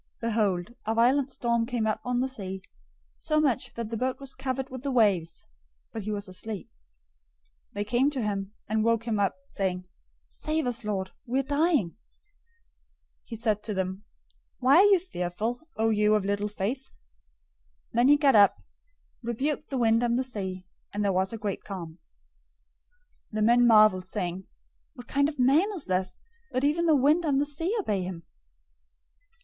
008:024 Behold, a violent storm came up on the sea, so much that the boat was covered with the waves, but he was asleep. 008:025 They came to him, and woke him up, saying, "Save us, Lord! We are dying!" 008:026 He said to them, "Why are you fearful, O you of little faith?" Then he got up, rebuked the wind and the sea, and there was a great calm. 008:027 The men marveled, saying, "What kind of man is this, that even the wind and the sea obey him?"